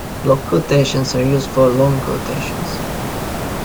Block quotations are used for long quotations.